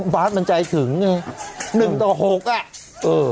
บาทมันใจถึงไงหนึ่งต่อหกอ่ะเออ